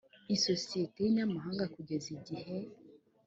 isosiyete y inyamahanga kugeza igihe